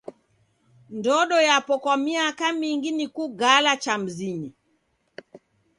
Ndodo yapo kwa miaka mingi ni kugala cha mzinyi.